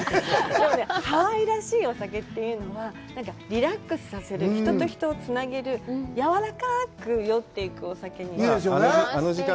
でも、ハワイらしいお酒というのは、なんかリラックスさせる、人と人とをつなげる、やわらかく酔っていくお酒なの。